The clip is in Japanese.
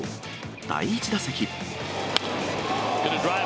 第１打席。